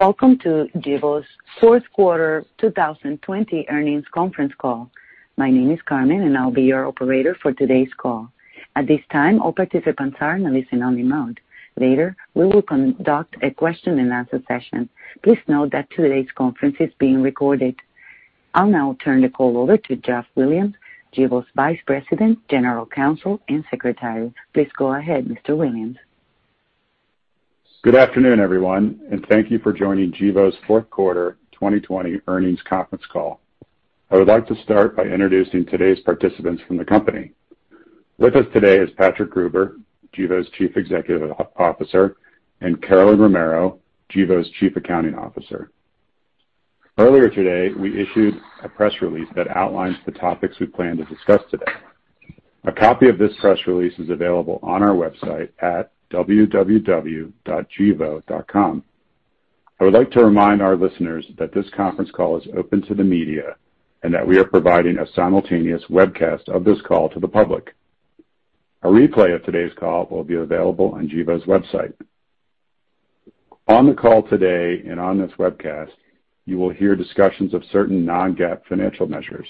Welcome to Gevo's fourth quarter 2020 earnings conference call. My name is Carmen, and I'll be your operator for today's call. At this time, all participants are in a listen-only mode. Later, we will conduct a question and answer session. Please note that today's conference is being recorded. I'll now turn the call over to Geoff Williams, Gevo's Vice President, General Counsel, and Secretary. Please go ahead, Mr. Williams. Good afternoon, everyone. Thank you for joining Gevo's fourth quarter 2020 earnings conference call. I would like to start by introducing today's participants from the company. With us today is Patrick Gruber, Gevo's Chief Executive Officer, and Carolyn Romero, Gevo's Chief Accounting Officer. Earlier today, we issued a press release that outlines the topics we plan to discuss today. A copy of this press release is available on our website at www.gevo.com. I would like to remind our listeners that this conference call is open to the media, and that we are providing a simultaneous webcast of this call to the public. A replay of today's call will be available on Gevo's website. On the call today and on this webcast, you will hear discussions of certain non-GAAP financial measures.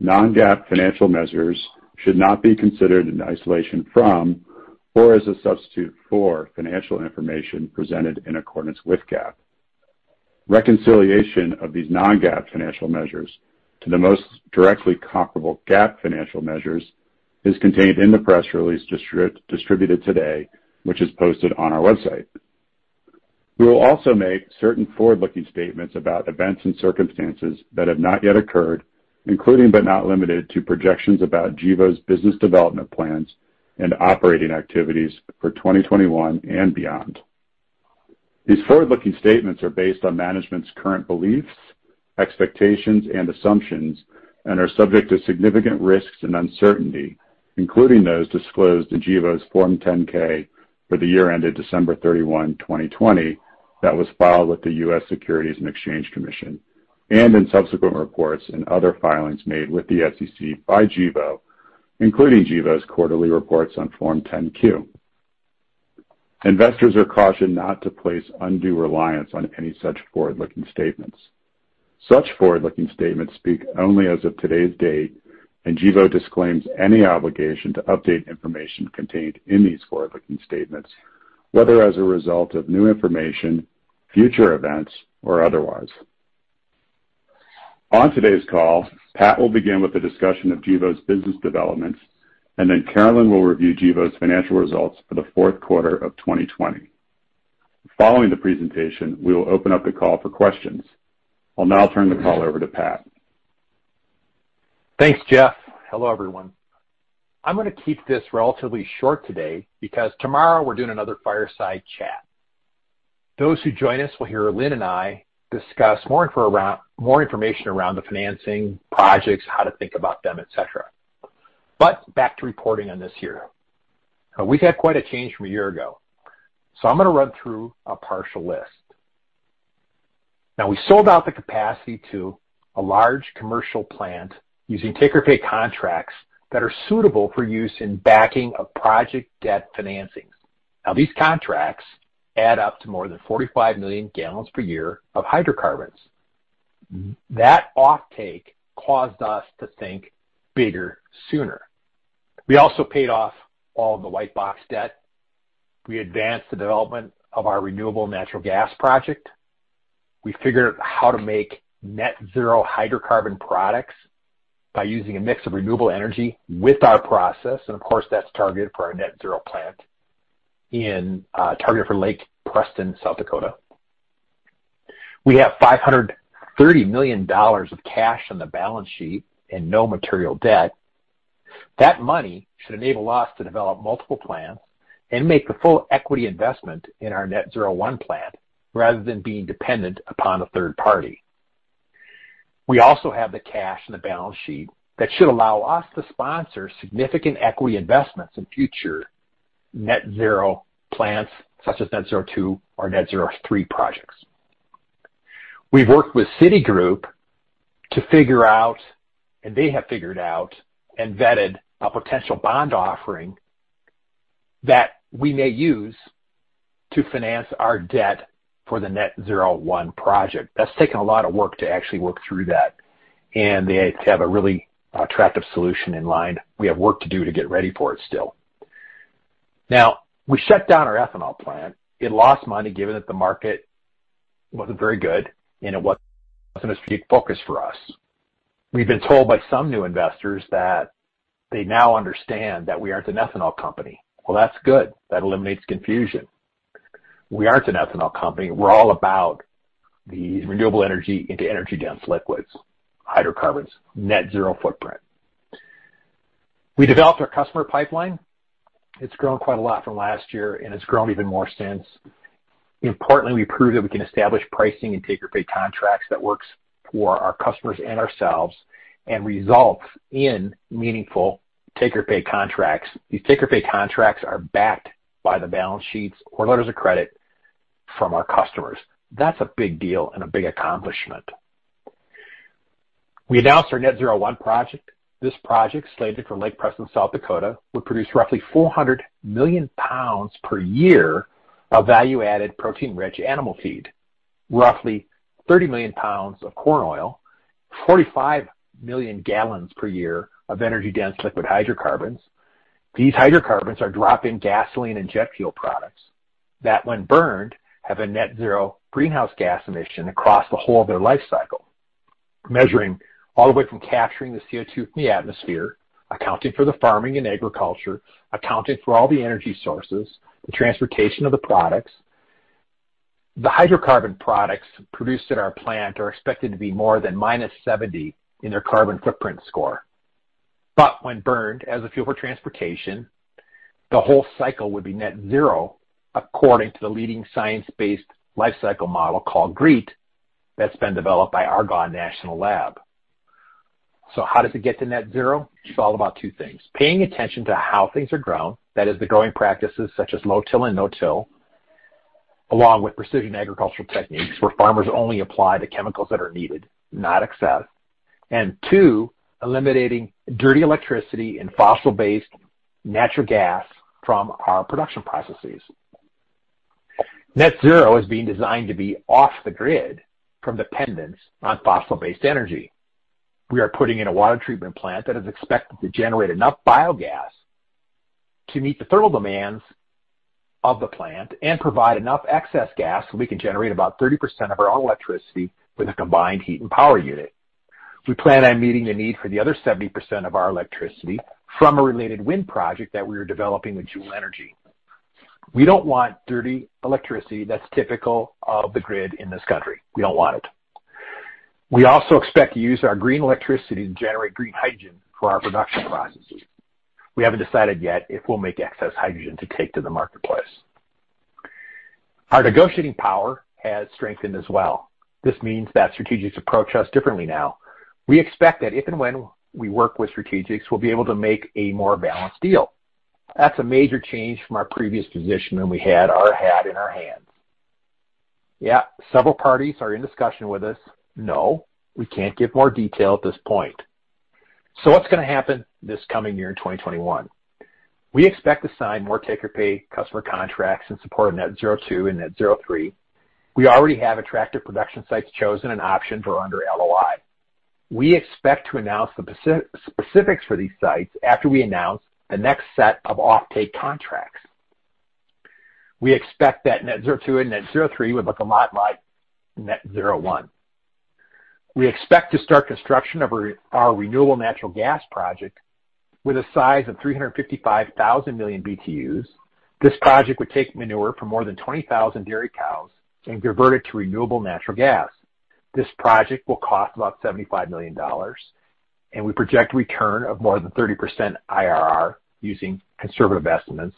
Non-GAAP financial measures should not be considered in isolation from or as a substitute for financial information presented in accordance with GAAP. Reconciliation of these non-GAAP financial measures to the most directly comparable GAAP financial measures is contained in the press release distributed today, which is posted on our website. We will also make certain forward-looking statements about events and circumstances that have not yet occurred, including but not limited to projections about Gevo's business development plans and operating activities for 2021 and beyond. These forward-looking statements are based on management's current beliefs, expectations and assumptions, and are subject to significant risks and uncertainty, including those disclosed in Gevo's Form 10-K for the year ended December 31, 2020, that was filed with the US Securities and Exchange Commission, and in subsequent reports and other filings made with the SEC by Gevo, including Gevo's quarterly reports on Form 10-Q. Investors are cautioned not to place undue reliance on any such forward-looking statements. Such forward-looking statements speak only as of today's date, Gevo disclaims any obligation to update information contained in these forward-looking statements, whether as a result of new information, future events, or otherwise. On today's call, Pat will begin with a discussion of Gevo's business developments, then Carolyn will review Gevo's financial results for the fourth quarter of 2020. Following the presentation, we will open up the call for questions. I'll now turn the call over to Pat. Thanks, Geoff. Hello, everyone. I'm going to keep this relatively short today because tomorrow we're doing another fireside chat. Those who join us will hear Lynn and I discuss more information around the financing, projects, how to think about them, et cetera. Back to reporting on this year. We've had quite a change from a year ago. I'm going to run through a partial list. Now, we sold out the capacity to a large commercial plant using take-or-pay contracts that are suitable for use in backing of project debt financings. Now, these contracts add up to more than 45 million gallons per year of hydrocarbons. That offtake caused us to think bigger sooner. We also paid off all the Whitebox debt. We advanced the development of our renewable natural gas project. We figured out how to make net zero hydrocarbon products by using a mix of renewable energy with our process. Of course, that's targeted for our net zero plant targeted for Lake Preston, South Dakota. We have $530 million of cash on the balance sheet and no material debt. That money should enable us to develop multiple plants and make the full equity investment in our Net-Zero 1 plant rather than being dependent upon a third party. We also have the cash in the balance sheet that should allow us to sponsor significant equity investments in future net zero plants, such as Net-Zero 2 or Net-Zero 3 projects. We've worked with Citigroup to figure out. They have figured out and vetted a potential bond offering that we may use to finance our debt for the Net-Zero 1 project. That's taken a lot of work to actually work through that, and they have a really attractive solution in line. We have work to do to get ready for it still. We shut down our ethanol plant. It lost money given that the market wasn't very good, and it wasn't a strategic focus for us. We've been told by some new investors that they now understand that we aren't an ethanol company. Well, that's good. That eliminates confusion. We aren't an ethanol company. We're all about the renewable energy into energy-dense liquids, hydrocarbons, Net-Zero footprint. We developed our customer pipeline. It's grown quite a lot from last year, and it's grown even more since. Importantly, we proved that we can establish pricing and take-or-pay contracts that works for our customers and ourselves and results in meaningful take-or-pay contracts. These take-or-pay contracts are backed by the balance sheets or letters of credit from our customers. That's a big deal and a big accomplishment. We announced our Net-Zero 1 project. This project, slated for Lake Preston, South Dakota, would produce roughly 400 million pounds per year of value-added protein-rich animal feed, roughly 30 million pounds of corn oil, 45 million gallons per year of energy-dense liquid hydrocarbons. These hydrocarbons are drop-in gasoline and jet fuel products that, when burned, have a Net-Zero greenhouse gas emission across the whole of their life cycle, measuring all the way from capturing the CO2 from the atmosphere, accounting for the farming and agriculture, accounting for all the energy sources, the transportation of the products. The hydrocarbon products produced at our plant are expected to be more than minus 70 in their carbon footprint score. When burned as a fuel for transportation, the whole cycle would be Net-Zero according to the leading science-based life cycle model called GREET that's been developed by Argonne National Laboratory. How does it get to Net-Zero? It's all about two things. Paying attention to how things are grown. That is the growing practices such as low-till and no-till, along with precision agricultural techniques where farmers only apply the chemicals that are needed, not excess. Two, eliminating dirty electricity and fossil-based natural gas from our production processes. Net-Zero is being designed to be off the grid from dependence on fossil-based energy. We are putting in a water treatment plant that is expected to generate enough biogas to meet the thermal demands of the plant and provide enough excess gas so we can generate about 30% of our own electricity with a combined heat and power unit. We plan on meeting the need for the other 70% of our electricity from a related wind project that we are developing with Juhl Energy. We don't want dirty electricity that's typical of the grid in this country. We don't want it. We also expect to use our green electricity to generate green hydrogen for our production processes. We haven't decided yet if we'll make excess hydrogen to take to the marketplace. Our negotiating power has strengthened as well. This means that strategics approach us differently now. We expect that if and when we work with strategics, we'll be able to make a more balanced deal. That's a major change from our previous position when we had our hat in our hands. Yeah, several parties are in discussion with us. No, we can't give more detail at this point. What's going to happen this coming year in 2021? We expect to sign more take-or-pay customer contracts in support of Net-Zero 2 and Net-Zero 3. We already have attractive production sites chosen and optioned or under LOI. We expect to announce the specifics for these sites after we announce the next set of offtake contracts. We expect that Net-Zero 2 and Net-Zero 3 would look a lot like Net-Zero 1. We expect to start construction of our renewable natural gas project with a size of 355,000 million BTUs. This project would take manure from more than 20,000 dairy cows and convert it to renewable natural gas. This project will cost about $75 million, and we project a return of more than 30% IRR using conservative estimates.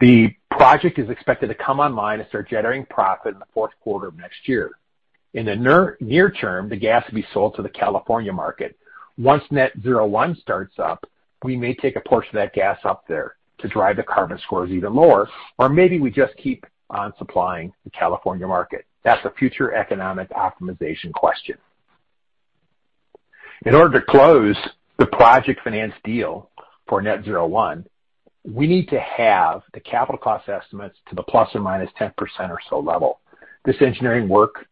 The project is expected to come online and start generating profit in the fourth quarter of next year. In the near term, the gas will be sold to the California market. Once Net-Zero 1 starts up, we may take a portion of that gas up there to drive the carbon scores even lower, or maybe we just keep on supplying the California market. That's a future economic optimization question. In order to close the project finance deal for Net-Zero 1, we need to have the capital cost estimates to the ±10% or so level. This engineering work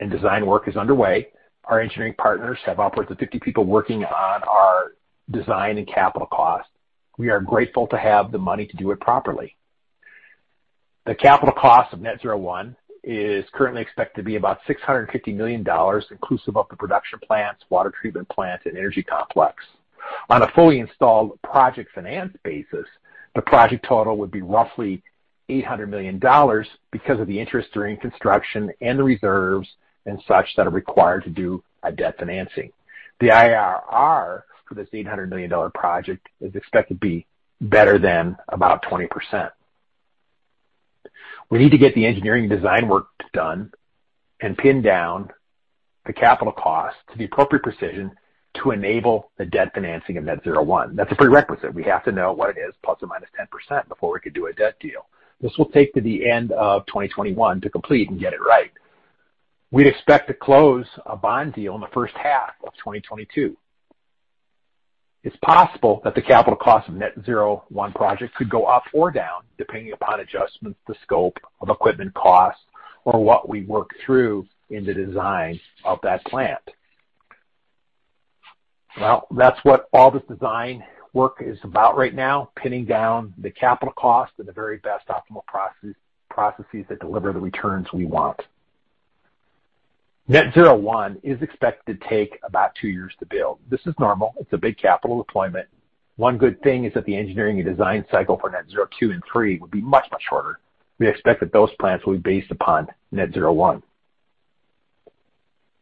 and design work is underway. Our engineering partners have upwards of 50 people working on our design and capital costs. We are grateful to have the money to do it properly. The capital cost of Net-Zero 1 is currently expected to be about $650 million, inclusive of the production plants, water treatment plants, and energy complex. On a fully installed project finance basis, the project total would be roughly $800 million because of the interest during construction and the reserves and such that are required to do a debt financing. The IRR for this $800 million project is expected to be better than about 20%. We need to get the engineering design work done and pin down the capital cost to the appropriate precision to enable the debt financing of Net-Zero 1. That's a prerequisite. We have to know what it is plus or minus 10% before we could do a debt deal. This will take to the end of 2021 to complete and get it right. We'd expect to close a bond deal in the first half of 2022. It's possible that the capital cost of Net-Zero 1 project could go up or down, depending upon adjustments to scope of equipment cost or what we work through in the design of that plant. Well, that's what all this design work is about right now, pinning down the capital cost and the very best optimal processes that deliver the returns we want. Net-Zero 1 is expected to take about two years to build. This is normal. It's a big capital deployment. One good thing is that the engineering and design cycle for Net-Zero 2 and Net-Zero 3 will be much, much shorter. We expect that those plants will be based upon Net-Zero 1.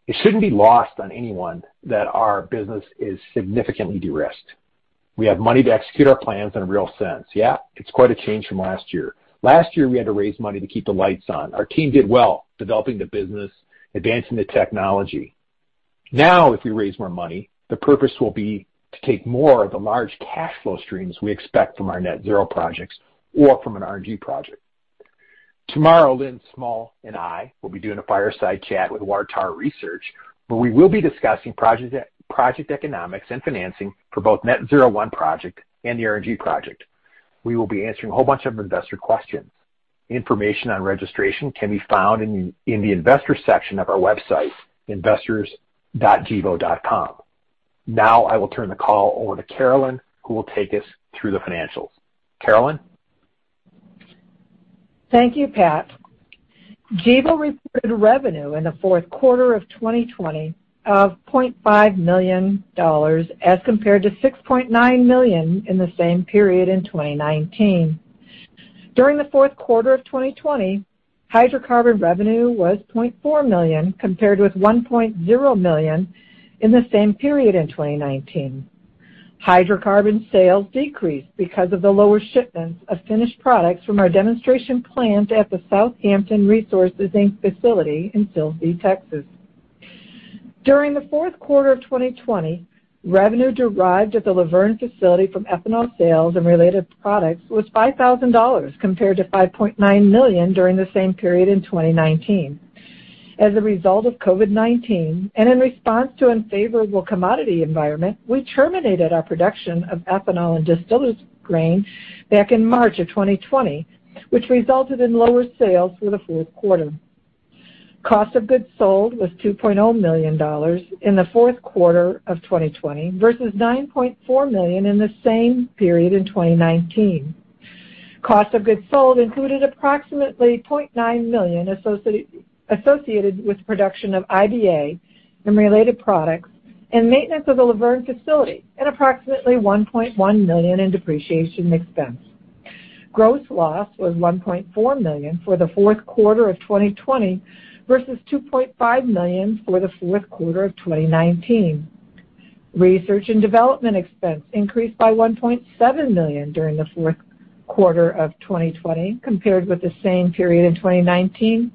It shouldn't be lost on anyone that our business is significantly de-risked. We have money to execute our plans in a real sense. Yeah, it's quite a change from last year. Last year, we had to raise money to keep the lights on. Our team did well developing the business, advancing the technology. Now, if we raise more money, the purpose will be to take more of the large cash flow streams we expect from our Net-Zero projects or from an RNG project. Tomorrow, Lynn Smull and I will be doing a fireside chat with Water Tower Research, where we will be discussing project economics and financing for both Net-Zero 1 project and the RNG project. We will be answering a whole bunch of investor questions. Information on registration can be found in the investor section of our website, investors.gevo.com. I will turn the call over to Carolyn, who will take us through the financials. Carolyn? Thank you, Pat. Gevo reported revenue in the fourth quarter of 2020 of $0.5 million as compared to $6.9 million in the same period in 2019. During the fourth quarter of 2020, hydrocarbon revenue was $0.4 million, compared with $1.0 million in the same period in 2019. Hydrocarbon sales decreased because of the lower shipments of finished products from our demonstration plant at the South Hampton Resources Inc. facility in Silsbee, Texas. During the fourth quarter of 2020, revenue derived at the Luverne facility from ethanol sales and related products was $5,000 compared to $5.9 million during the same period in 2019. As a result of COVID-19, and in response to unfavorable commodity environment, we terminated our production of ethanol and distillers' grain back in March of 2020, which resulted in lower sales for the fourth quarter. Cost of goods sold was $2.0 million in the fourth quarter of 2020 versus $9.4 million in the same period in 2019. Cost of goods sold included approximately $0.9 million associated with production of IBA and related products and maintenance of the Luverne facility, and approximately $1.1 million in depreciation expense. Gross loss was $1.4 million for the fourth quarter of 2020 versus $2.5 million for the fourth quarter of 2019. Research and Development expense increased by $1.7 million during the fourth quarter of 2020 compared with the same period in 2019,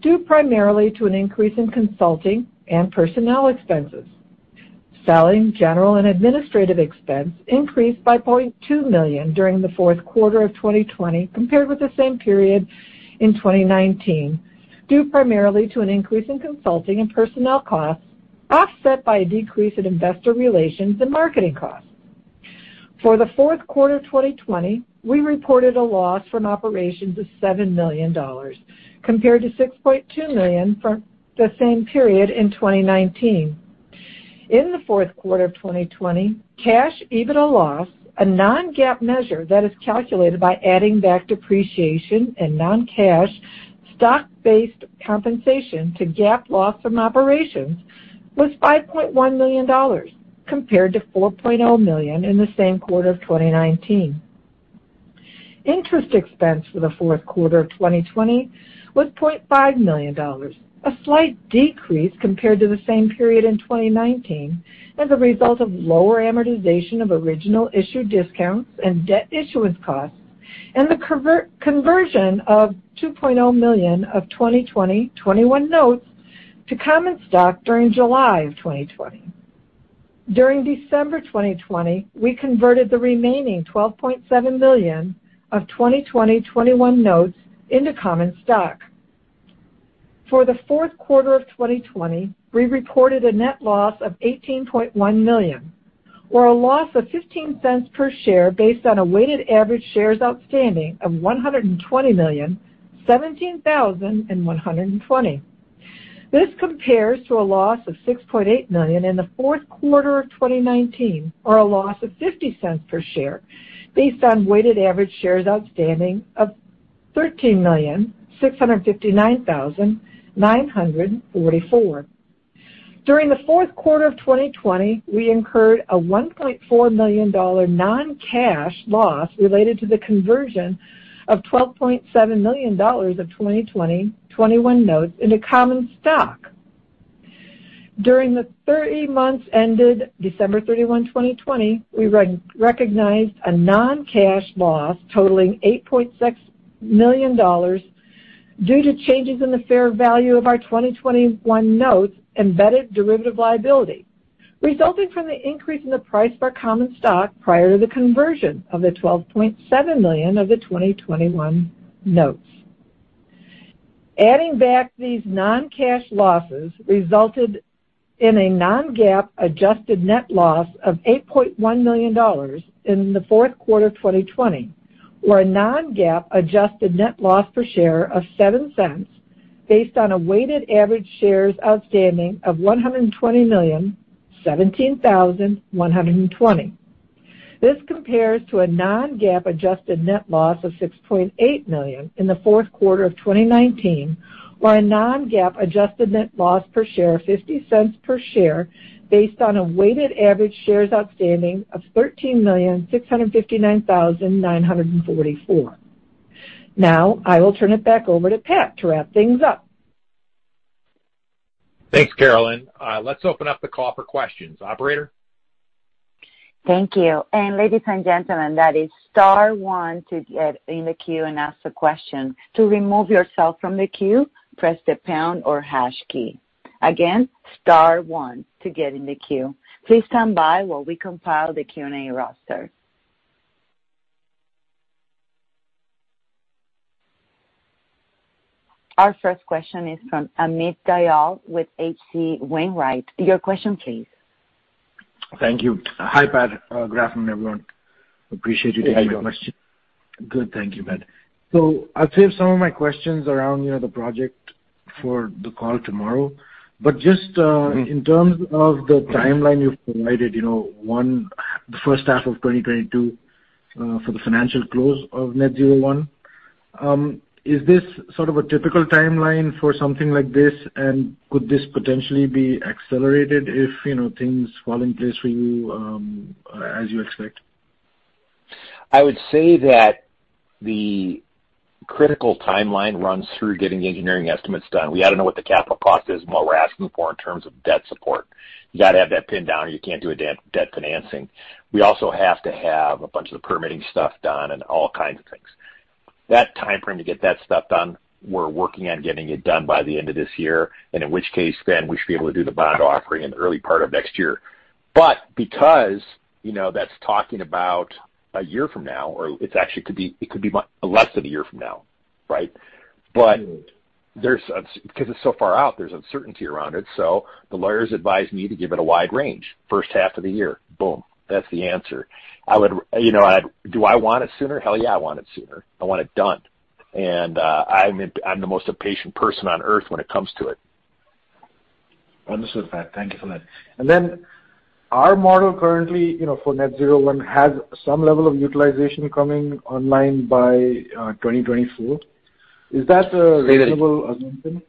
due primarily to an increase in consulting and personnel expenses. Selling, General, and Administrative expense increased by $0.2 million during the fourth quarter of 2020 compared with the same period in 2019, due primarily to an increase in consulting and personnel costs, offset by a decrease in investor relations and marketing costs. For the fourth quarter of 2020, we reported a loss from operations of $7 million, compared to $6.2 million for the same period in 2019. In the fourth quarter of 2020, cash EBITDA loss, a non-GAAP measure that is calculated by adding back depreciation and non-cash stock-based compensation to GAAP loss from operations, was $5.1 million, compared to $4.0 million in the same quarter of 2019. Interest expense for the fourth quarter of 2020 was $0.5 million, a slight decrease compared to the same period in 2019 as a result of lower amortization of original issue discounts and debt issuance costs, and the conversion of $2.0 million of 2020/2021 Notes to common stock during July of 2020. During December 2020, we converted the remaining $12.7 million of 2020/21 Notes into common stock. For the fourth quarter of 2020, we reported a net loss of $18.1 million, or a loss of $0.15 per share based on a weighted average shares outstanding of 120,017,120. This compares to a loss of $6.8 million in the fourth quarter of 2019, or a loss of $0.50 per share based on weighted average shares outstanding of 13,659,944. During the fourth quarter of 2020, we incurred a $1.4 million non-cash loss related to the conversion of $12.7 million of 2020/2021 Notes into common stock. During the 30 months ended December 31, 2020, we recognized a non-cash loss totaling $8.6 million due to changes in the fair value of our 2020/2021 Notes embedded derivative liability, resulting from the increase in the price of our common stock prior to the conversion of the $12.7 million of the 2020/2021 Notes. Adding back these non-cash losses resulted in a non-GAAP adjusted net loss of $8.1 million in the fourth quarter of 2020, or a non-GAAP adjusted net loss per share of $0.07 based on a weighted average shares outstanding of 120,017,120. This compares to a non-GAAP adjusted net loss of $6.8 million in the fourth quarter of 2019, or a non-GAAP adjusted net loss per share of $0.50 per share based on a weighted average shares outstanding of 13,659,944. I will turn it back over to Pat to wrap things up. Thanks, Carolyn. Let's open up the call for questions. Operator? Thank you. Ladies and gentlemen, that is star one to get in the queue and ask a question. To remove yourself from the queue, press the pound or hash key. Again, star one to get in the queue. Please stand by while we compile the Q&A roster. Our first question is from Amit Dayal with H.C. Wainwright. Your question, please. Thank you. Hi, Pat, Good afternoon everyone. Appreciate you taking my question. Hey, Amit. Good. Thank you, Pat. I've saved some of my questions around the project for the call tomorrow. Just in terms of the timeline you've provided, one, the first half of 2022 for the financial close of Net-Zero 1. Is this sort of a typical timeline for something like this? Could this potentially be accelerated if things fall in place for you as you expect? I would say that the critical timeline runs through getting the engineering estimates done. We ought to know what the capital cost is and what we're asking for in terms of debt support. You got to have that pinned down or you can't do a debt financing. We also have to have a bunch of the permitting stuff done and all kinds of things. That timeframe to get that stuff done, we're working on getting it done by the end of this year, and in which case then we should be able to do the bond offering in the early part of next year. Because that's talking about a year from now, or it could be less than a year from now, right? It's so far out, there's uncertainty around it, so the lawyers advise me to give it a wide range. First half of the year. Boom. That's the answer. Do I want it sooner? Hell yeah, I want it sooner. I want it done. I'm the most impatient person on Earth when it comes to it. Understood, Pat. Thank you for that. Then our model currently for Net-Zero 1 has some level of utilization coming online by 2024. Is that a reasonable assumption?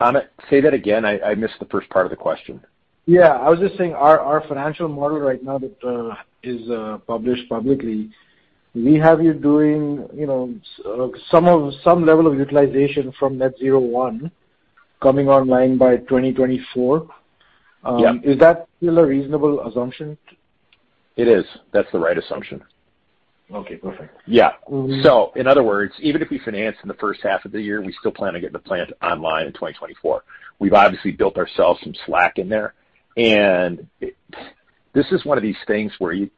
Amit, say that again. I missed the first part of the question. Yeah. I was just saying our financial model right now that is published publicly, we have you doing some level of utilization from Net-Zero 1 coming online by 2024. Yeah. Is that still a reasonable assumption? It is. That's the right assumption. Okay, perfect. Yeah. In other words, even if we finance in the first half of the year, we still plan on getting the plant online in 2024. We've obviously built ourselves some slack in there, and this is one of these things where you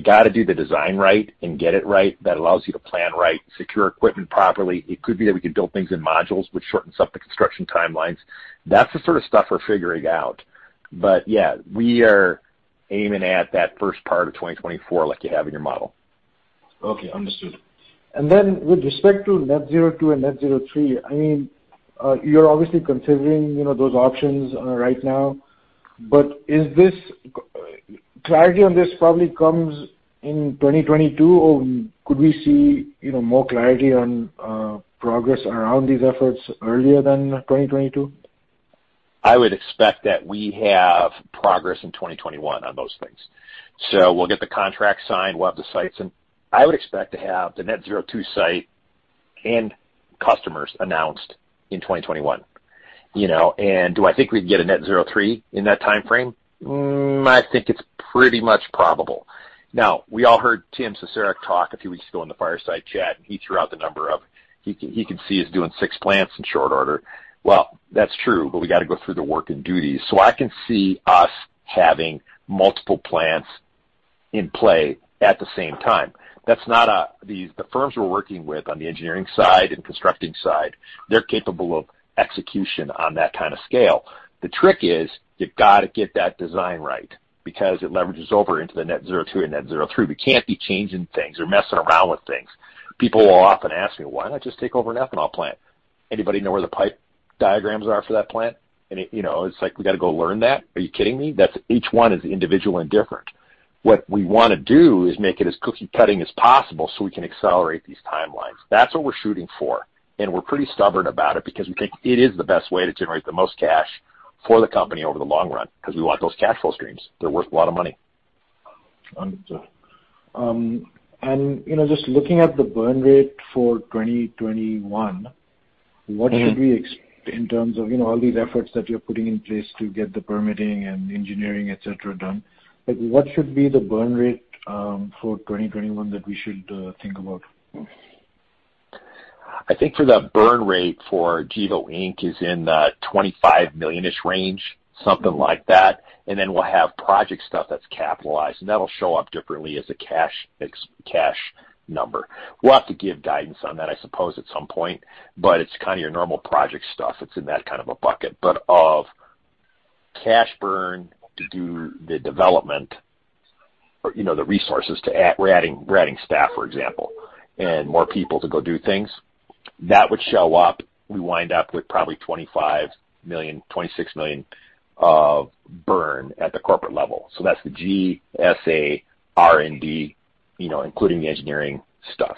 got to do the design right and get it right. That allows you to plan right, secure equipment properly. It could be that we could build things in modules, which shortens up the construction timelines. That's the sort of stuff we're figuring out. Yeah, we are aiming at that first part of 2024 like you have in your model. Okay, understood. With respect to Net-Zero 2 and Net-Zero 3, you're obviously considering those options right now. Clarity on this probably comes in 2022, or could we see more clarity on progress around these efforts earlier than 2022? I would expect that we have progress in 2021 on those things. We'll get the contract signed. We'll have the sites. I would expect to have the Net-Zero 2 site and customers announced in 2021. Do I think we'd get a Net-Zero 3 in that timeframe? I think it's pretty much probable. We all heard Tim Cesarek talk a few weeks ago in the fireside chat, and he threw out the number he could see us doing six plants in short order. That's true, but we got to go through the work and duties. I can see us having multiple plants in play at the same time. The firms we're working with on the engineering side and constructing side, they're capable of execution on that kind of scale. The trick is you've got to get that design right because it leverages over into the Net-Zero 2 and Net-Zero 3. We can't be changing things or messing around with things. People will often ask me, "Why not just take over an ethanol plant?" Anybody know where the pipe diagrams are for that plant? It's like, we got to go learn that? Are you kidding me? Each one is individually different. What we want to do is make it as cookie-cutting as possible so we can accelerate these timelines. That's what we're shooting for, and we're pretty stubborn about it because we think it is the best way to generate the most cash for the company over the long run because we want those cash flow streams. They're worth a lot of money. Understood. Just looking at the burn rate for 2021, what should we expect in terms of all these efforts that you're putting in place to get the permitting and engineering, et cetera, done? What should be the burn rate for 2021 that we should think about? I think for the burn rate for Gevo, Inc. is in the $25 million-ish range, something like that. We'll have project stuff that's capitalized, and that'll show up differently as a cash number. We'll have to give guidance on that, I suppose, at some point. It's kind of your normal project stuff that's in that kind of a bucket. We're adding staff, for example, and more people to go do things. That would show up. We wind up with probably $25 million, $26 million of burn at the corporate level. That's the G&A, R&D including the engineering stuff,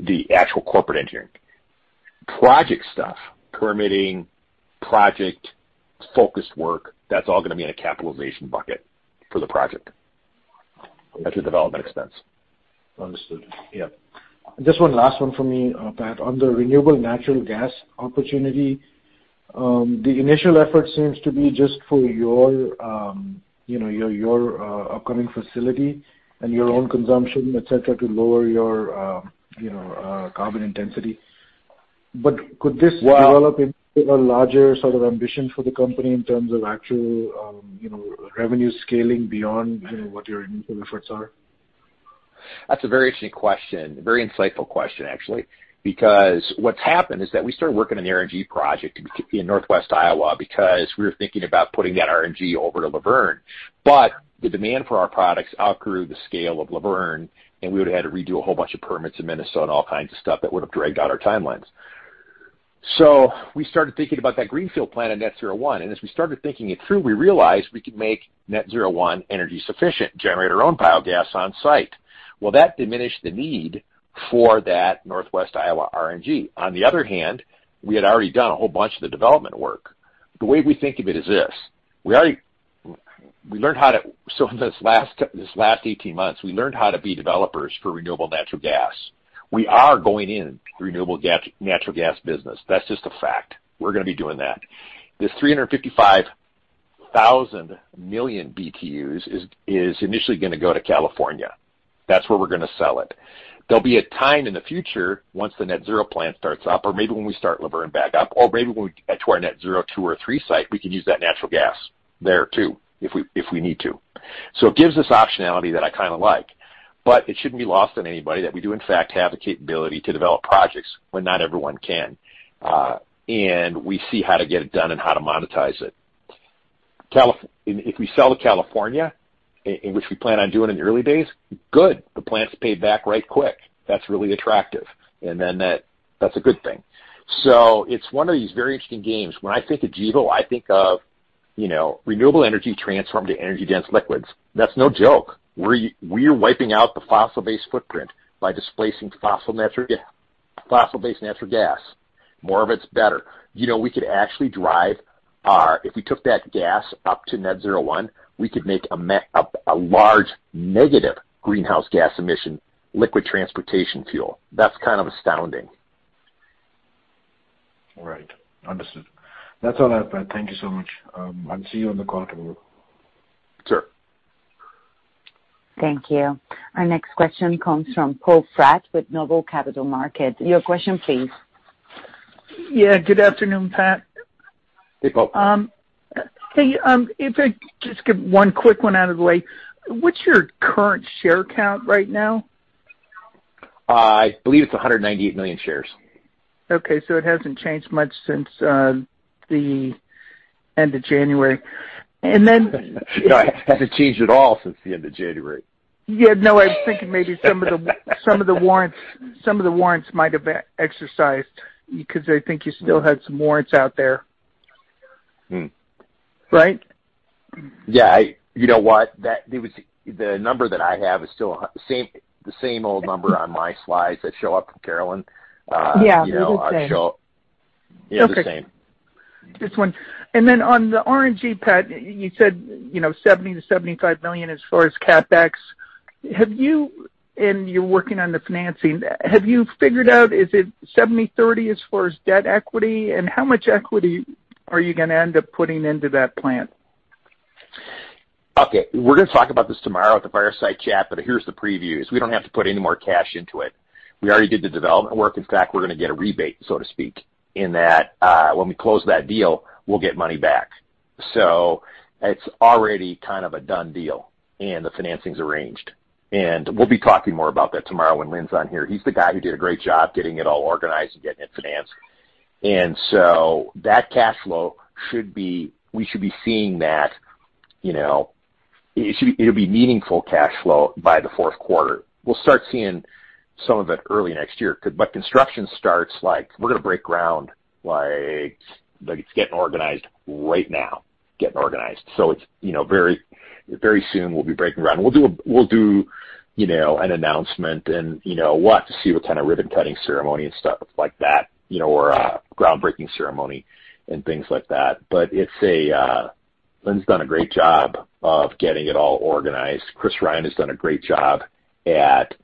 the actual corporate engineering. Project stuff, permitting, project-focused work, that's all going to be in a capitalization bucket for the project as a development expense. Understood. Yep. Just one last one for me, Pat. On the renewable natural gas opportunity, the initial effort seems to be just for your upcoming facility and your own consumption, et cetera, to lower your carbon intensity. Could this develop into a larger sort of ambition for the company in terms of actual revenue scaling beyond what your initial efforts are? That's a very interesting question, a very insightful question, actually. What's happened is that we started working on the RNG project in northwest Iowa because we were thinking about putting that RNG over to Luverne. The demand for our products outgrew the scale of Luverne, and we would've had to redo a whole bunch of permits in Minnesota and all kinds of stuff that would've dragged out our timelines. We started thinking about that greenfield plant at Net-Zero 1, and as we started thinking it through, we realized we could make Net-Zero 1 energy sufficient, generate our own biogas on-site. Well, that diminished the need for that northwest Iowa RNG. On the other hand, we had already done a whole bunch of the development work. The way we think of it is this. In this last 18 months, we learned how to be developers for renewable natural gas. We are going in the renewable natural gas business. That's just a fact. We're going to be doing that. This 355,000 million BTUs is initially going to go to California. That's where we're going to sell it. There'll be a time in the future, once the Net-Zero plant starts up, or maybe when we start Luverne back up, or maybe when we get to our Net-Zero 2 or 3 site, we can use that natural gas there too, if we need to. It gives us optionality that I kind of like. It shouldn't be lost on anybody that we do in fact have the capability to develop projects when not everyone can. We see how to get it done and how to monetize it. If we sell to California, which we plan on doing in the early days, good. The plant's paid back right quick. That's really attractive. That's a good thing. It's one of these very interesting games. When I think of Gevo, I think of renewable energy transformed to energy-dense liquids. That's no joke. We're wiping out the fossil-based footprint by displacing fossil-based natural gas. More of it's better. We could actually drive if we took that gas up to Net-Zero 1, we could make a large negative greenhouse gas emission liquid transportation fuel. That's kind of astounding. All right. Understood. That's all I have. Thank you so much. I'll see you on the quarter, Gevo. Sure. Thank you. Our next question comes from Poe Fratt with Noble Capital Markets. Your question, please. Yeah, good afternoon, Pat. Hey, Poe. Hey. If I could just get one quick one out of the way, what's your current share count right now? I believe it's 198 million shares. Okay, it hasn't changed much since the end of January. No, it hasn't changed at all since the end of January. Yeah, no, I was thinking maybe some of the warrants might have been exercised because I think you still had some warrants out there. Right? Yeah. You know what? The number that I have is still the same old number on my slides that show up for Carolyn. Yeah. They're the same. Yeah, the same. Just one. On the RNG, Pat, you said $70 million-$75 million as far as CapEx. You're working on the financing. Have you figured out, is it 70/30 as far as debt equity? How much equity are you going to end up putting into that plant? Okay. We're going to talk about this tomorrow at the fireside chat, but here's the preview, is we don't have to put any more cash into it. We already did the development work. In fact, we're going to get a rebate, so to speak, in that when we close that deal, we'll get money back. It's already kind of a done deal, and the financing's arranged. We'll be talking more about that tomorrow when Lynn's on here. He's the guy who did a great job getting it all organized and getting it financed. That cash flow, we should be seeing that. It'll be meaningful cash flow by the fourth quarter. We'll start seeing some of it early next year. Construction starts, like we're going to break ground, like it's getting organized right now. Getting organized. Very soon we'll be breaking ground. We'll do an announcement and we'll have to see what kind of ribbon-cutting ceremony and stuff like that, or a groundbreaking ceremony and things like that. Lynn's done a great job of getting it all organized. Chris Ryan has done a great job at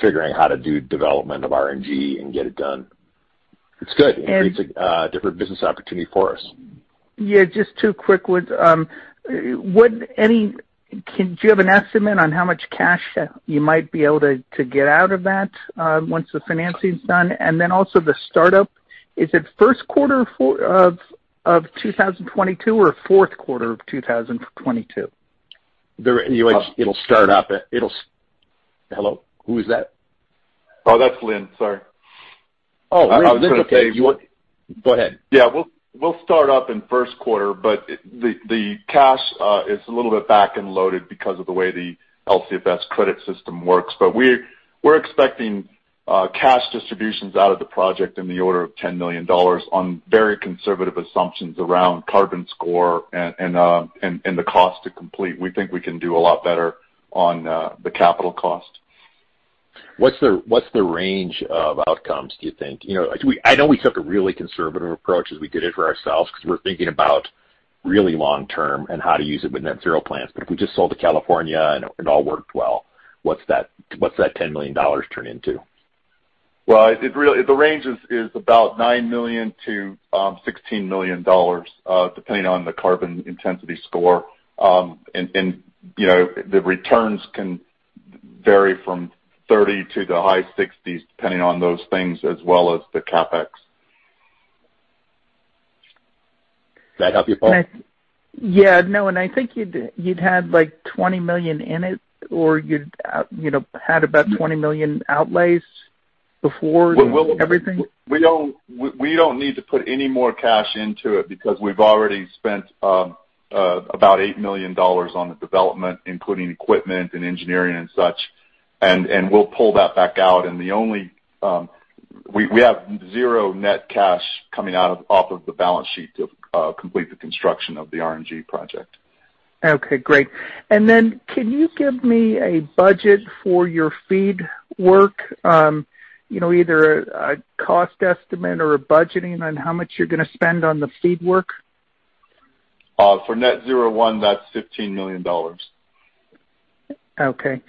figuring how to do development of RNG and get it done. It's good. It creates a different business opportunity for us. Yeah, just two quick ones. Do you have an estimate on how much cash you might be able to get out of that once the financing's done? Then also the startup, is it first quarter of 2022 or fourth quarter of 2022? Hello? Who is that? Oh, that's Lynn. Sorry. Oh, Lynn. It's okay. Go ahead. Yeah. We'll start up in first quarter. The cash is a little bit back-end loaded because of the way the LCFS credit system works. We're expecting cash distributions out of the project in the order of $10 million on very conservative assumptions around carbon score and the cost to complete. We think we can do a lot better on the capital cost. What's the range of outcomes, do you think? I know we took a really conservative approach as we did it for ourselves because we're thinking about really long term and how to use it with net zero plans. If we just sold to California and it all worked well, what's that $10 million turn into? Well, the range is about $9 million-$16 million, depending on the carbon intensity score. The returns can vary from 30% to the high 60s, depending on those things as well as the CapEx. Does that help you, Poe? Yeah, no. I think you'd had like $20 million in it, or you'd had about $20 million outlays before everything. We don't need to put any more cash into it because we've already spent about $8 million on the development, including equipment and engineering and such, and we'll pull that back out. We have zero net cash coming out off of the balance sheet to complete the construction of the RNG project. Okay, great. Can you give me a budget for your feed work? Either a cost estimate or a budgeting on how much you're going to spend on the feed work? For Net-Zero 1, that's $15 million. Okay.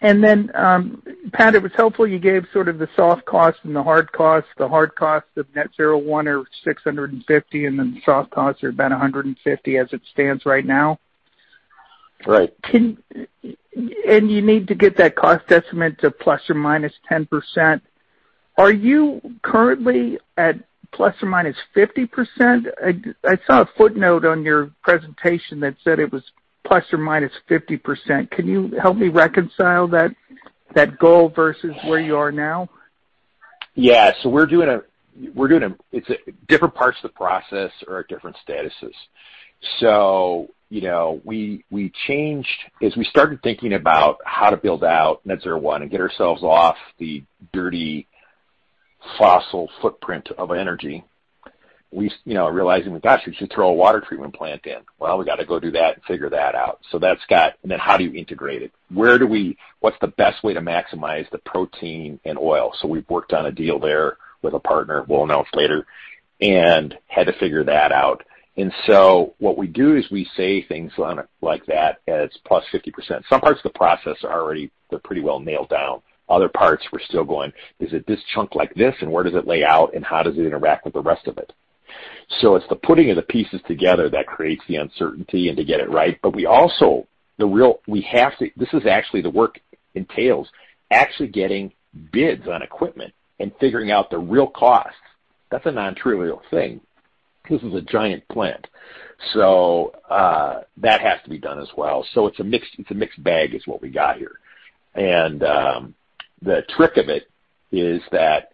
Pat, it was helpful you gave sort of the soft cost and the hard cost. The hard cost of Net-Zero 1 are $650 million, and then the soft costs are about $150 million as it stands right now. Right. You need to get that cost estimate to ±10%. Are you currently at ±50%? I saw a footnote on your presentation that said it was ±50%. Can you help me reconcile that goal versus where you are now? Yeah. Different parts of the process are at different statuses. As we started thinking about how to build out Net-Zero 1 and get ourselves off the dirty fossil footprint of energy, we, realizing that, gosh, we should throw a water treatment plant in. We got to go do that and figure that out. How do you integrate it? What's the best way to maximize the protein and oil? We've worked on a deal there with a partner we'll announce later and had to figure that out. What we do is we say things like that as plus 50%. Some parts of the process are already, they're pretty well nailed down. Other parts we're still going, is it this chunk like this, and where does it lay out, and how does it interact with the rest of it? It's the putting of the pieces together that creates the uncertainty and to get it right. We also, this is actually the work entails, actually getting bids on equipment and figuring out the real costs. That's a non-trivial thing. This is a giant plant. That has to be done as well. It's a mixed bag is what we got here. The trick of it is that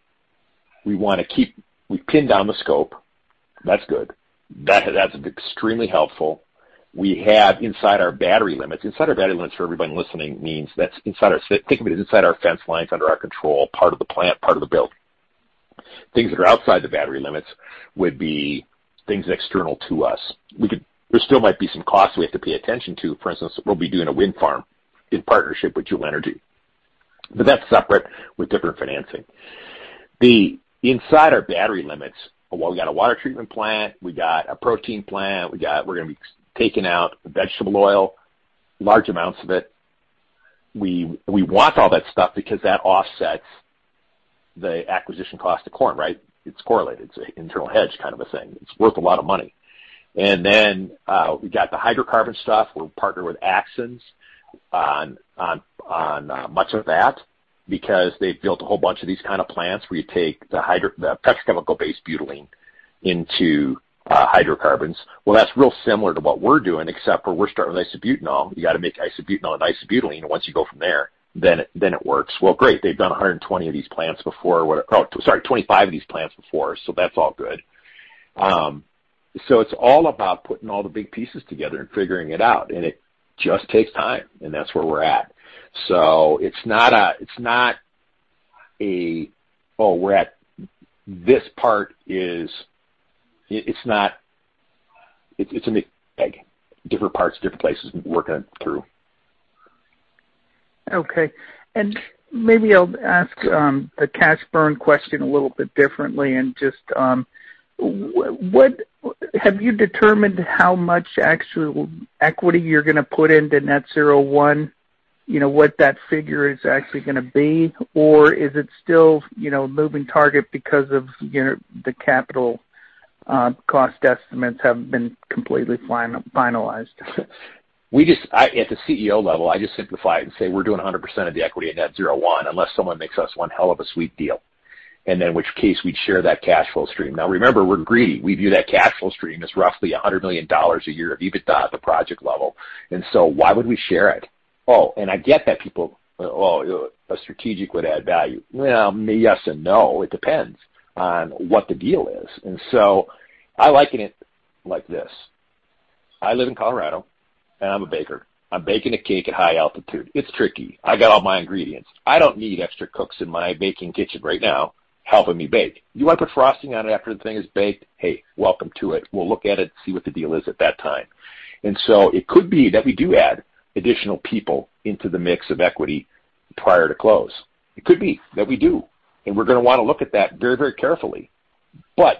we want to pin down the scope. That's good. That's extremely helpful. We have inside our battery limits. Inside our battery limits for everybody listening means think of it as inside our fence lines, under our control, part of the plant, part of the build. Things that are outside the battery limits would be things external to us. There still might be some costs we have to pay attention to. For instance, we'll be doing a wind farm in partnership with Juhl Energy. That's separate with different financing. Inside our battery limits, well, we got a water treatment plant, we got a protein plant, we're going to be taking out vegetable oil, large amounts of it. We want all that stuff because that offsets the acquisition cost of corn, right? It's correlated. It's an internal hedge kind of a thing. It's worth a lot of money. We got the hydrocarbon stuff. We're partnered with Axens on much of that because they've built a whole bunch of these kind of plants where you take the petrochemical-based butylene into hydrocarbons. Well, that's real similar to what we're doing, except where we're starting with isobutanol. You got to make isobutanol and isobutylene, once you go from there, then it works. Well, great, they've done 120 of these plants before. Sorry, 25 of these plants before. That's all good. It's all about putting all the big pieces together and figuring it out, and it just takes time, and that's where we're at. It's not a, we're at this part. It's a mixed bag. Different parts, different places we're working through. Okay. Maybe I'll ask a cash burn question a little bit differently and just have you determined how much actual equity you're going to put into Net-Zero 1? What that figure is actually going to be? Is it still a moving target because of the capital cost estimates haven't been completely finalized? At the CEO level, I just simplify it and say we're doing 100% of the equity at Net-Zero 1, unless someone makes us one hell of a sweet deal. In which case, we'd share that cash flow stream. Now, remember, we're greedy. We view that cash flow stream as roughly $100 million a year of EBITDA at the project level. Why would we share it? I get that people, a strategic would add value. Well, yes and no. It depends on what the deal is. I liken it like this. I live in Colorado, and I'm a baker. I'm baking a cake at high altitude. It's tricky. I got all my ingredients. I don't need extra cooks in my baking kitchen right now helping me bake. You want to put frosting on it after the thing is baked, hey, welcome to it. We'll look at it, see what the deal is at that time. It could be that we do add additional people into the mix of equity prior to close. It could be that we do, and we're going to want to look at that very carefully.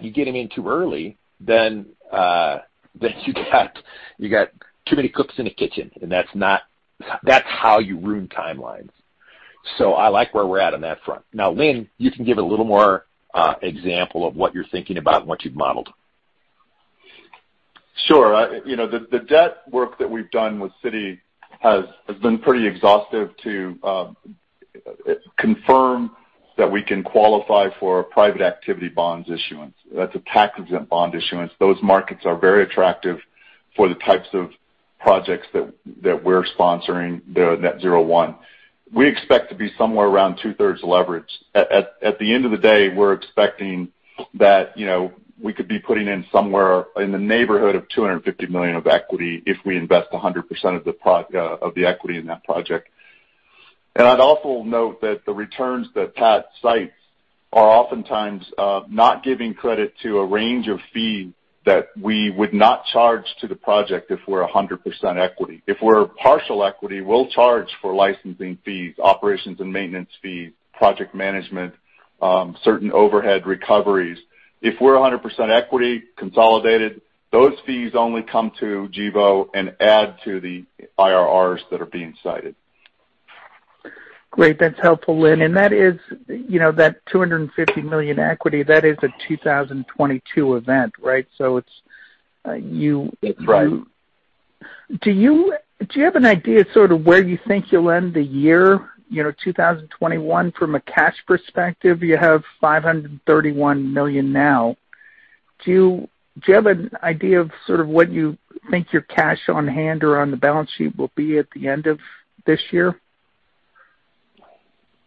You get them in too early, then you got too many cooks in the kitchen, and that's how you ruin timelines. I like where we're at on that front. Now, Lynn, you can give a little more example of what you're thinking about and what you've modeled. Sure. The debt work that we've done with Citi has been pretty exhaustive to confirm that we can qualify for private activity bonds issuance. That's a tax-exempt bond issuance. Those markets are very attractive for the types of projects that we're sponsoring, the Net-Zero 1. We expect to be somewhere around two-thirds leverage. At the end of the day, we're expecting that we could be putting in somewhere in the neighborhood of $250 million of equity if we invest 100% of the equity in that project. I'd also note that the returns that Pat cites are oftentimes not giving credit to a range of fees that we would not charge to the project if we're 100% equity. If we're partial equity, we'll charge for licensing fees, operations, and maintenance fees, project management, certain overhead recoveries. If we're 100% equity consolidated, those fees only come to Gevo and add to the IRRs that are being cited. Great. That's helpful, Lynn. That $250 million equity, that is a 2022 event, right? Right. Do you have an idea sort of where you think you'll end the year, 2021, from a cash perspective? You have $531 million now. Do you have an idea of sort of what you think your cash on hand or on the balance sheet will be at the end of this year?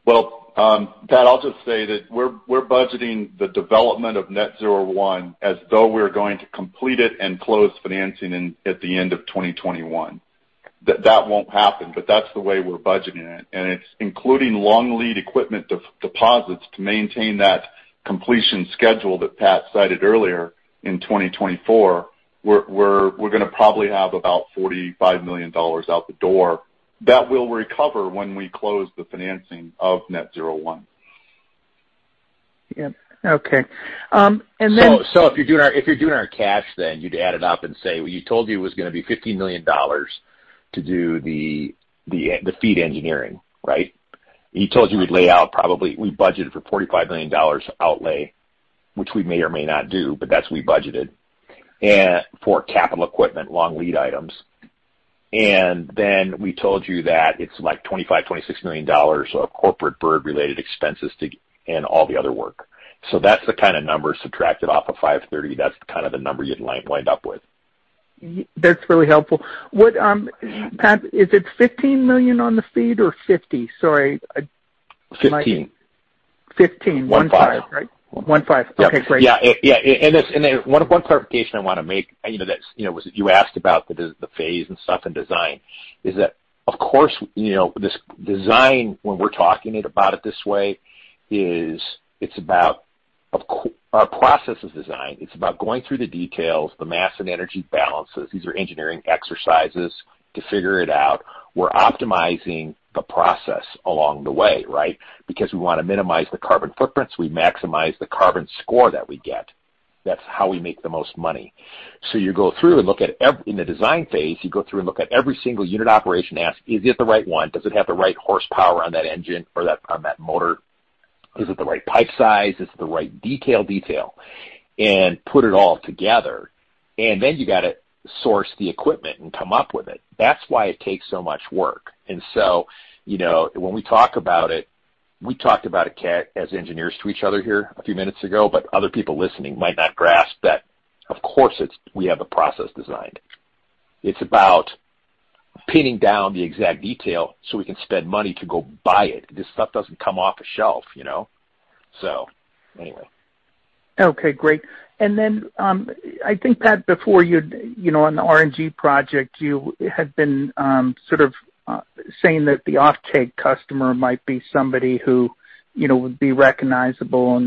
Well, Poe, I'll just say that we're budgeting the development of Net-Zero 1 as though we're going to complete it and close financing at the end of 2021. That won't happen, but that's the way we're budgeting it, and it's including long lead equipment deposits to maintain that completion schedule that Pat cited earlier in 2024. We're going to probably have about $45 million out the door that we'll recover when we close the financing of Net-Zero 1. Yep. Okay. If you're doing our cash, you'd add it up and say, well, you told you it was going to be $15 million to do the feed engineering, right? You told you we'd lay out we budgeted for $45 million outlay, which we may or may not do, but that's what we budgeted for capital equipment, long lead items. We told you that it's like $25, $26 million of corporate G&A-related expenses and all the other work. That's the kind of number subtracted off of $530. That's kind of the number you'd wind up with. That's really helpful. Pat, is it $15 million on the feed or $50? Sorry. Fifteen. 15. One-five, right? One-five. 15. Okay, great. Yeah. One clarification I want to make, you asked about the phase and stuff and design. Of course, this design, when we're talking about it this way, our process is design. It's about going through the details, the mass and energy balances. These are engineering exercises to figure it out. We're optimizing the process along the way, right? We want to minimize the carbon footprints. We maximize the carbon score that we get. That's how we make the most money. In the design phase, you go through and look at every single unit operation, ask, is it the right one? Does it have the right horsepower on that engine or on that motor? Is it the right pipe size? Is it the right detail? Put it all together. You got to source the equipment and come up with it. That's why it takes so much work. When we talk about it, we talked about it as engineers to each other here a few minutes ago, but other people listening might not grasp that, of course, we have a process designed. It's about pinning down the exact detail so we can spend money to go buy it. This stuff doesn't come off a shelf. Anyway. Okay, great. I think, Pat, on the RNG project, you had been sort of saying that the offtake customer might be somebody who would be recognizable.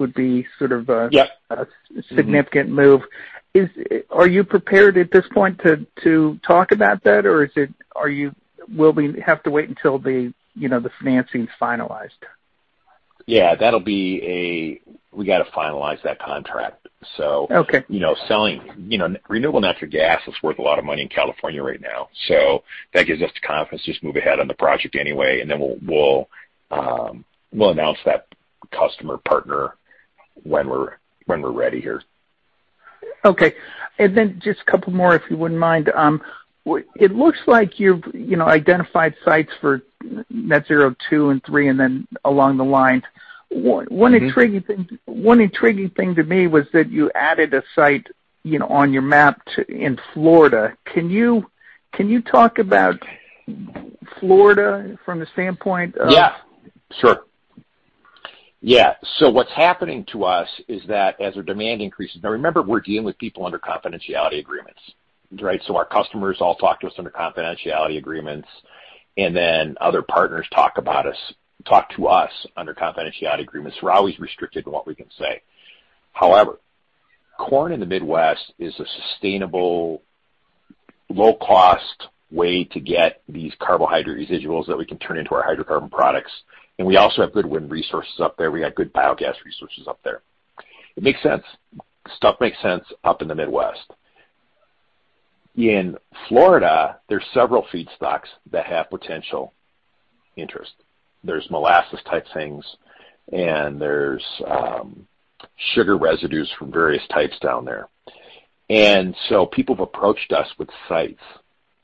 Yep significant move. Are you prepared at this point to talk about that, or will we have to wait until the financing's finalized? Yeah. We got to finalize that contract. Okay. Renewable natural gas is worth a lot of money in California right now. That gives us the confidence to just move ahead on the project anyway, and then we'll announce that customer partner when we're ready here. Okay. Just a couple more, if you wouldn't mind. It looks like you've identified sites for Net-Zero 2 and 3 and then along the lines. One intriguing thing to me was that you added a site on your map in Florida. Can you talk about Florida from the standpoint of? Yeah. Sure. What's happening to us is that as our demand increases, now, remember, we're dealing with people under confidentiality agreements, right? Our customers all talk to us under confidentiality agreements, and then other partners talk to us under confidentiality agreements. We're always restricted in what we can say. However, corn in the Midwest is a sustainable, low-cost way to get these carbohydrate residuals that we can turn into our hydrocarbon products, and we also have good wind resources up there. We got good biogas resources up there. It makes sense. Stuff makes sense up in the Midwest. In Florida, there's several feedstocks that have potential interest. There's molasses type things, and there's sugar residues from various types down there. People have approached us with sites,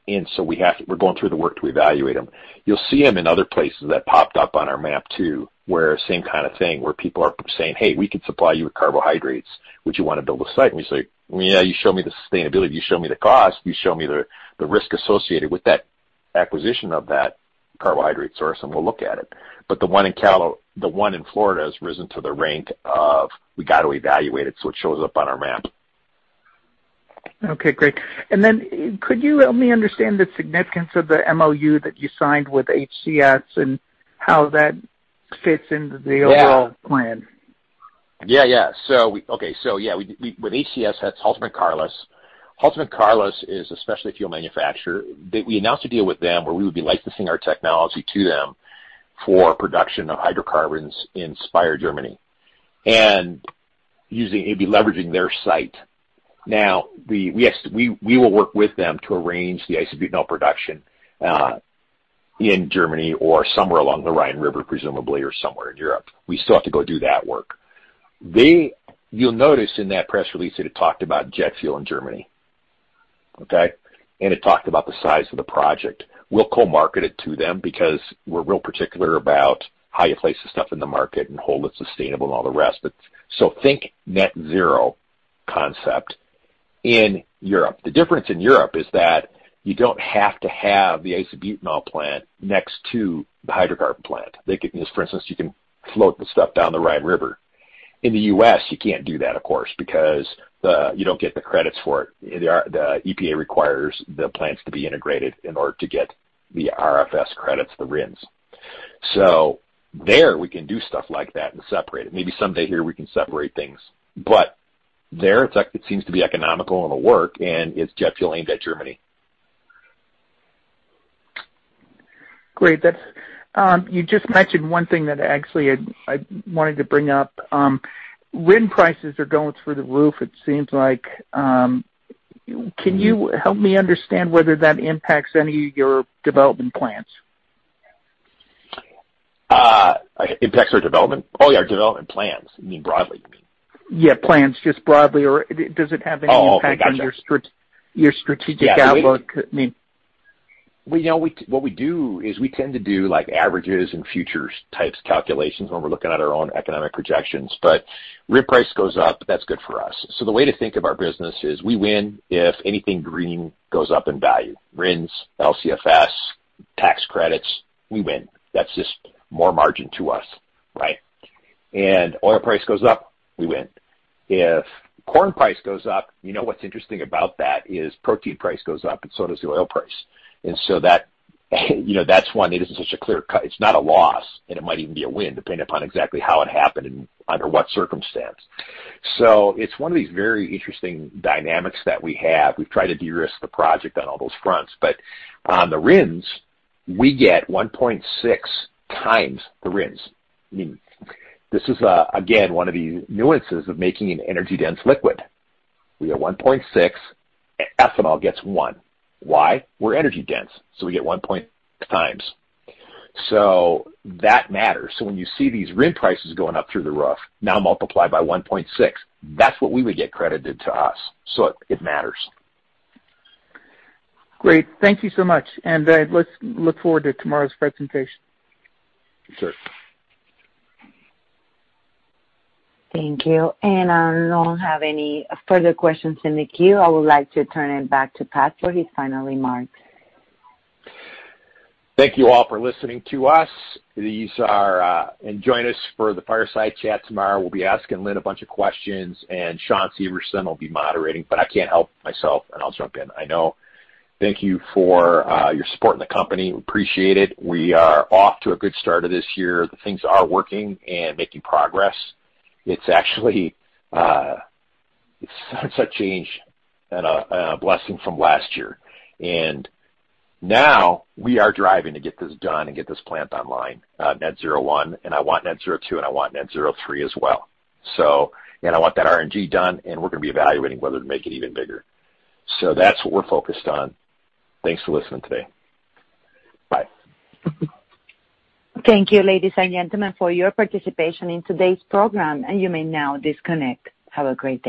and so we're going through the work to evaluate them. You'll see them in other places that popped up on our map, too, where same kind of thing, where people are saying, "Hey, we could supply you with carbohydrates. Would you want to build a site?" We say, "Yeah, you show me the sustainability, you show me the cost, you show me the risk associated with that acquisition of that carbohydrate source, and we'll look at it." The one in Florida has risen to the rank of we got to evaluate it, so it shows up on our map. Okay, great. Could you help me understand the significance of the MOU that you signed with HCS and how that fits into the overall plan? Yeah. With HCS, that's Haltermann Carless. Haltermann Carless is a specialty fuel manufacturer. We announced a deal with them where we would be licensing our technology to them for production of hydrocarbons in Speyer, Germany, and it'd be leveraging their site. We will work with them to arrange the isobutanol production in Germany or somewhere along the Rhine River, presumably, or somewhere in Europe. We still have to go do that work. You'll notice in that press release that it talked about jet fuel in Germany, okay? It talked about the size of the project. We'll co-market it to them because we're real particular about how you place the stuff in the market and hold it sustainable and all the rest. Think net zero concept in Europe. The difference in Europe is that you don't have to have the isobutanol plant next to the hydrocarbon plant. For instance, you can float the stuff down the Rhine River. In the U.S., you can't do that, of course, because you don't get the credits for it. The EPA requires the plants to be integrated in order to get the RFS credits, the RINs. There we can do stuff like that and separate it. Maybe someday here we can separate things. There it seems to be economical and will work, and it's jet fuel aimed at Germany. Great. You just mentioned one thing that actually I wanted to bring up. RIN prices are going through the roof, it seems like. Can you help me understand whether that impacts any of your development plans? Impacts our development? Oh, yeah, our development plans. You mean broadly, you mean? Yeah, plans just broadly, or does it have any impact? Oh, got you. on your strategic outlook? I mean. What we do is we tend to do averages and futures types calculations when we're looking at our own economic projections. RIN price goes up, that's good for us. The way to think of our business is we win if anything green goes up in value. RINs, LCFS, tax credits, we win. That's just more margin to us, right? Oil price goes up, we win. If corn price goes up, you know what's interesting about that is protein price goes up and so does the oil price. That's one. It isn't such a clear cut. It's not a loss, and it might even be a win, depending upon exactly how it happened and under what circumstance. It's one of these very interesting dynamics that we have. We've tried to de-risk the project on all those fronts. On the RINs, we get 1.6x the RINs. I mean, this is, again, one of the nuances of making an energy-dense liquid. We get 1.6, ethanol gets one. Why? We're energy-dense, we get 1.6x. That matters. When you see these RIN prices going up through the roof, now multiply by 1.6. That's what we would get credited to us. It matters. Great. Thank you so much. Let's look forward to tomorrow's presentation. Sure. Thank you. I don't have any further questions in the queue. I would like to turn it back to Pat for his final remarks. Thank you all for listening to us, and join us for the fireside chat tomorrow. We'll be asking Lynn a bunch of questions, and Shawn Severson will be moderating. I can't help myself, and I'll jump in, I know. Thank you for your support in the company. We appreciate it. We are off to a good start of this year. The things are working and making progress. It's actually such a change and a blessing from last year. Now we are driving to get this done and get this plant online, Net-Zero 1. I want Net-Zero 2 and I want Net-Zero 3 as well. I want that RNG done, and we're going to be evaluating whether to make it even bigger. That's what we're focused on. Thanks for listening today. Bye. Thank you, ladies and gentlemen, for your participation in today's program. You may now disconnect. Have a great day.